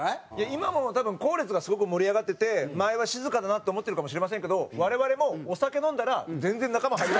今も多分後列がすごく盛り上がってて前は静かだなって思ってるかもしれませんけど我々もお酒飲んだら全然仲間入りますよ。